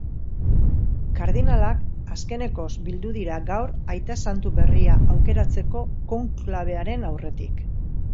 Kardinalak azkenekoz bildu dira gaur aita santu berria aukeratzeko konklabearen aurretik.